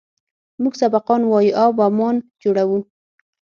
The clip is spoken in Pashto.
موږ سبقان وايو او بمان جوړوو.